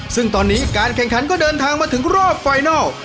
ซึ่งตอนนี้การแข่งขันก็เดินทางมาถึงรอบไฟนัล